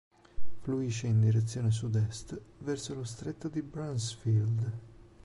Fluisce in direzione sudest verso lo Stretto di Bransfield.